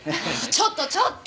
ちょっとちょっと！